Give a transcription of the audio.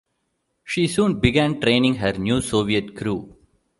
She soon began training her new Soviet crew.